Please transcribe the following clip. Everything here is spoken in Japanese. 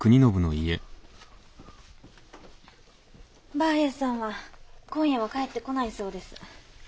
婆やさんは今夜は帰ってこないそうです。